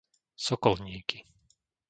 Sokolníky